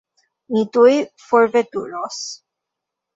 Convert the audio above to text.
Ni tuj forveturos.